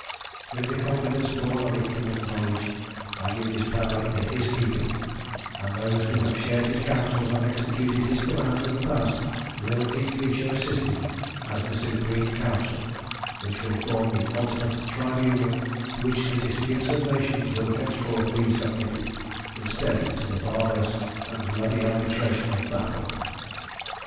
"With the confidence born of intimate knowledge, I give this power into his keeping, and those who have shared his counsels and executed his commands in the past will in the future assist him as the Supreme Council, which will form the ultimate tribunal to which the disputes of nations will henceforth be submitted, instead of to the barbarous and bloody arbitration of battle.